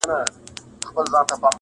انتقام اخیستل نه بخښل یې شرط دی-